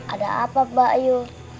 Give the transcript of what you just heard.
ada apa mbak yu